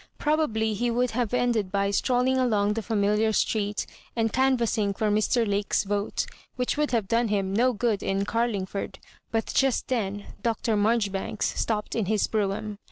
Probably he would have ended by strolling along the familiar street, and canvassing for Mr. Lake's vote, which would have done him no good in Carlingford, but just then Dr. Marjoribanks stopped in his brougham.